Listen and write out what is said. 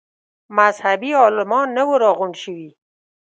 مذهبي عالمان نه وه راغونډ شوي.